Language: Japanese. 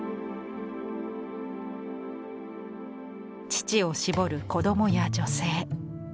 乳を搾る子どもや女性。